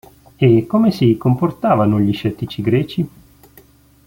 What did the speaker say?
E come si comportavano gli scettici greci?